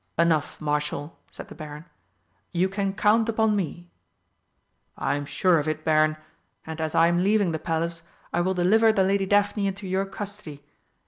"Enough, Marshal," said the Baron, "you can count upon me." "I am sure of it, Baron, and, as I am leaving the Palace, I will deliver the Lady Daphne into your custody.